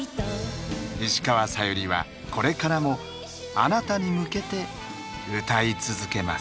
石川さゆりはこれからもあなたに向けて歌い続けます。